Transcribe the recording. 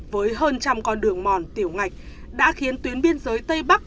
với hơn trăm con đường mòn tiểu ngạch đã khiến tuyến biên giới tây bắc